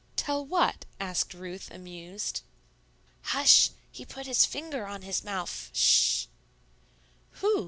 "Tell what?" asked Ruth, amused. "Hush! He put his finger on his mouf sh!" "Who?"